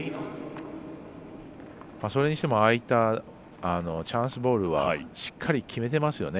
それにしてもチャンスボールはしっかり、決めていますよね